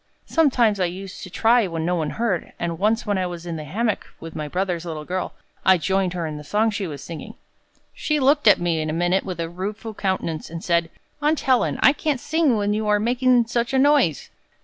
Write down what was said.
Sometimes I used to try when no one heard, and once when I was in the hammock with my brother's little girl, I joined her in the song she was singing. She looked at me in a minute with a rueful countenance, and said, 'Aunt Helen, I can't sing when you are making such a noise!'"